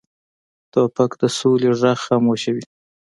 توپک د سولې غږ خاموشوي.